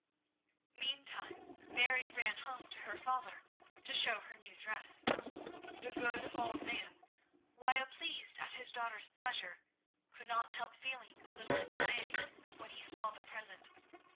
Meantime Mary ran home to her father to show her new dress. The good old man, while pleased at his daughter's pleasure, could not help feeling a little anxiety when he saw the present.